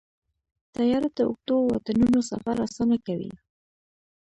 طیاره د اوږدو واټنونو سفر اسانه کوي.